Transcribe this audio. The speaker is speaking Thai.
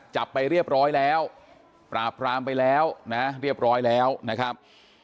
จับไปเรียบร้อยแล้วปราบรามไปแล้วนะเรียบร้อยแล้วนะครับ